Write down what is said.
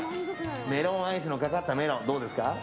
メロンアイスのかかったメロンどうですか？